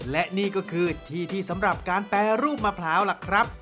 และนี่ก็คือที่ที่สำหรับการแปรรูปมะพร้าวล่ะครับ